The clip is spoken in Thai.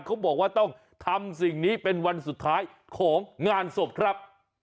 เขาบอกว่าต้องทำสิ่งนี้เป็นวันสุดท้ายของงานศพครับ